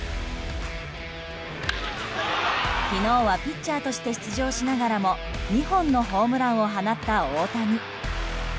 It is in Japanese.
昨日はピッチャーとして出場しながらも２本のホームランを放った大谷。